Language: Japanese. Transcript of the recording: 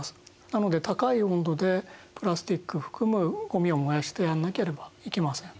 なので高い温度でプラスチックを含むごみを燃やしてやらなければいけません。